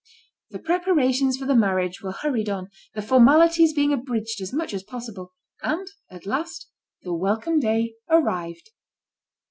The preparations for the marriage were hurried on, the formalities being abridged as much as possible, and at last the welcome day arrived.